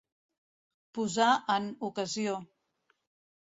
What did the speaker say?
Posar en ocasió.